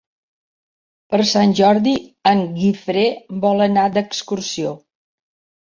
Per Sant Jordi en Guifré vol anar d'excursió.